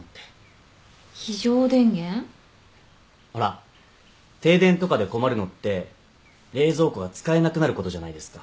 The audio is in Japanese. ほら停電とかで困るのって冷蔵庫が使えなくなることじゃないですか。